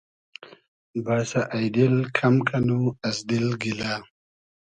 بئسۂ اݷ دیل کئم کئنو از دیل گیلۂ